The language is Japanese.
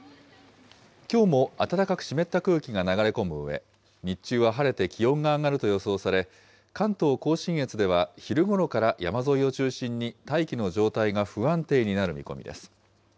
きょうも暖かく湿った空気が流れ込むうえ、日中は晴れて気温が上がると予想され、関東甲信越では昼ごろから山沿いを中心に大気の状態が不安定になる見込みです。